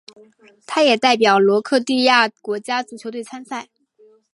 他也代表克罗地亚国家足球队参赛。